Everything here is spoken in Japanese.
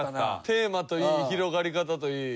テーマといい広がり方といい。